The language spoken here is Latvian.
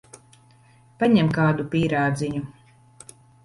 Paņem kādu pīrādziņu.